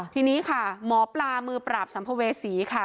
ทีนี้ค่ะหมอปลามือปราบสัมภเวษีค่ะ